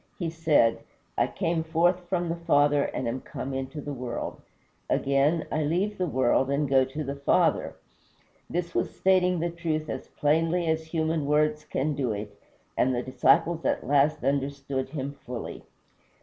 He said, "I came forth from the Father, and am come into the world. Again, I leave the world, and go to the Father." This was stating the truth as plainly as human words can do it, and the disciples at last understood him fully.